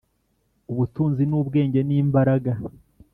ubutunzi n’ubwenge n’imbaraga,